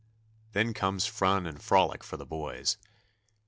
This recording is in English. Then comes fun and frolic for the boys.